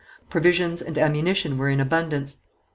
Provisions and ammunition were in abundance.